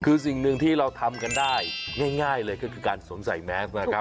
คือสิ่งหนึ่งที่เราทำกันได้ง่ายเลยก็คือการสวมใส่แมสนะครับ